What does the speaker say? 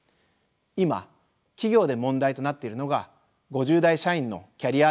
今企業で問題となっているのが５０代社員のキャリア停滞です。